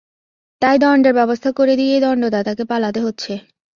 তাই দণ্ডের ব্যবস্থা করে দিয়েই দণ্ডদাতাকে পালাতে হচ্ছে।